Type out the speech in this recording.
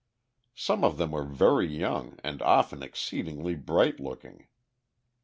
Some of them were very young and often exceedingly bright looking.